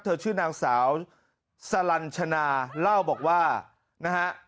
ชื่อนางสาวสลัญชนาเล่าบอกว่านะฮะ